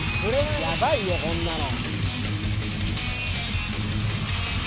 ヤバいよこんなの。